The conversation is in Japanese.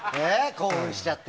興奮しちゃって。